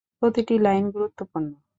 প্রতিটি লাইন গুরুত্বপূর্ণ।